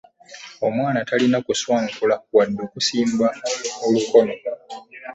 Omwana talina ku swankula wadde okusimba olukono.